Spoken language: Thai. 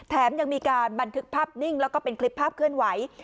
ยังมีการบันทึกภาพนิ่งแล้วก็เป็นคลิปภาพเคลื่อนไหว